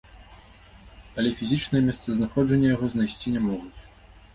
Але фізічнае месцазнаходжанне яго знайсці не могуць.